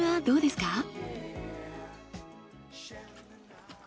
どうですか？